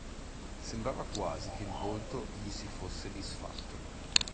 Sembrava quasi che il volto gli si fosse disfatto.